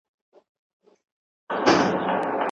د څیړنې میتودونه سافټویر کي ښودل سوي.